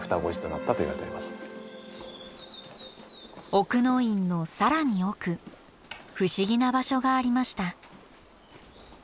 奥の院の更に奥不思議な場所がありました。